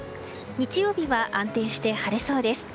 日曜日は安定して晴れそうです。